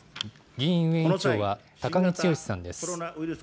議院運営委員長は高木毅さんです。